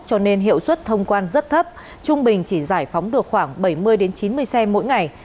cho nên hiệu suất thông quan rất thấp trung bình chỉ giải phóng được khoảng bảy mươi chín mươi xe mỗi ngày